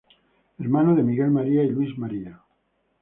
Hermano de Miguel María y Luis María.